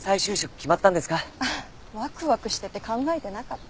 ワクワクしてて考えてなかった。